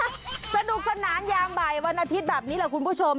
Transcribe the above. สนุกสนานยางบ่ายวันอาทิตย์แบบนี้แหละคุณผู้ชม